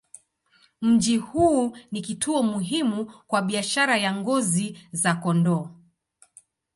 Mji huu ni kituo muhimu kwa biashara ya ngozi za kondoo.